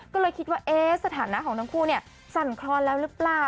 ก็เลยคิดว่าสถานะของทั้งคู่สั่นคลอนแล้วหรือเปล่า